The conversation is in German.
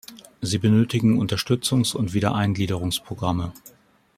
Sie benötigen Unterstützungs- und Wiedereingliederungsprogramme.